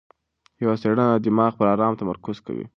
یوه څېړنه د دماغ پر ارام تمرکز کوي.